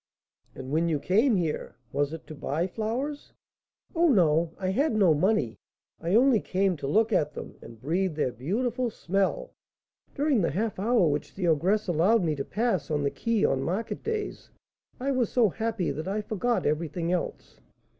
"And when you came here, was it to buy flowers?" "Oh, no, I had no money; I only came to look at them, and breathe their beautiful smell. During the half hour which the ogress allowed me to pass on the quay on market days, I was so happy that I forgot everything else."